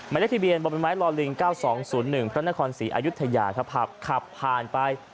ไม่ได้ที่เบียนบรรยาไม้ลอลิง๙๒๐๑พระนครศรีอายุทยาขับผ่านไป